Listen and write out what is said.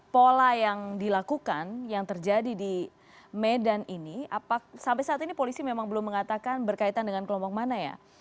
pola yang dilakukan yang terjadi di medan ini sampai saat ini polisi memang belum mengatakan berkaitan dengan kelompok mana ya